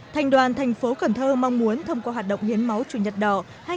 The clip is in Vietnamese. thành đoàn thành phố cần thơ mong muốn thông qua hoạt động hiến máu chủ nhật đỏ hai nghìn một mươi bảy